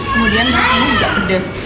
kemudian ini juga pedas